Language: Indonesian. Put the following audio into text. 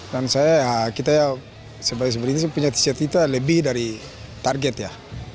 dan saya kita ya sebagai seberini punya cita cita lebih dari target ya